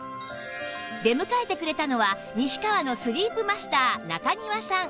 出迎えてくれたのは西川のスリープマスター中庭さん